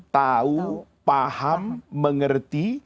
tahu paham mengerti